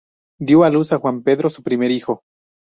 Dio a luz a Juan Pedro, su primer hijo.